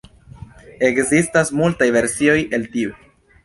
Ekzistas multaj versioj el tiu.